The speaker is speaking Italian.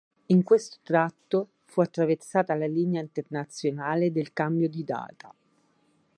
In questo tratto fu attraversata la Linea internazionale del cambio di data.